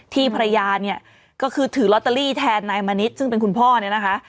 ภรรยาเนี่ยก็คือถือลอตเตอรี่แทนนายมณิษฐ์ซึ่งเป็นคุณพ่อเนี่ยนะคะ